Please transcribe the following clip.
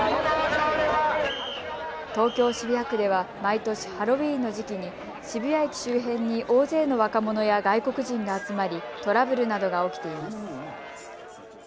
東京渋谷区では毎年、ハロウィーンの時期に渋谷駅周辺に大勢の若者や外国人が集まりトラブルなどが起きています。